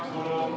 seperti yang tadi